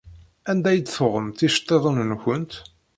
Anda i d-tuɣemt iceṭṭiḍen-nkent?